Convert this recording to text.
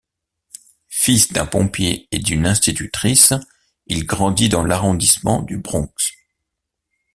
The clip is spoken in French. Fils d'un pompier et d'une institutrice, il grandit dans l'arrondissement du Bronx.